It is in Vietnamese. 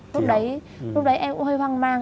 lúc đấy em cũng hơi hoang mang